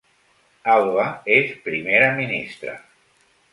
Alba és primera ministra